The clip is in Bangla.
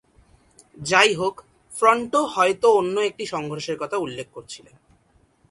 যাইহোক, ফ্রন্টো হয়ত অন্য একটি সংঘর্ষের কথা উল্লেখ করছিলেন।